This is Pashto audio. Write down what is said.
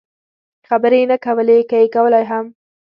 خبرې یې نه کولې، که یې کولای هم.